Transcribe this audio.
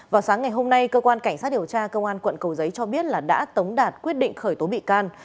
vào sáng ngày hôm nay cơ quan cảnh sát điều tra công an quận cầu giấy cho biết là đã tống đạt quyết định khởi tố bị can